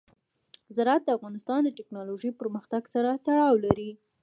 زراعت د افغانستان د تکنالوژۍ پرمختګ سره تړاو لري.